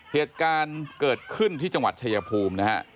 เหตุการณ์เกิดขึ้นที่จังหวัดชายภูมินะฮะ